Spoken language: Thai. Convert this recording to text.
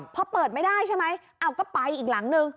พอเปิดไม่ได้ใช่ไหมเอาก็ไปอีกหลังนึง